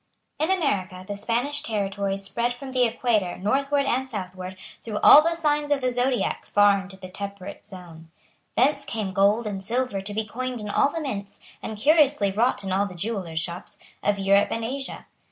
In America the Spanish territories spread from the Equator northward and southward through all the signs of the Zodiac far into the temperate zone. Thence came gold and silver to be coined in all the mints, and curiously wrought in all the jewellers' shops, of Europe and Asia.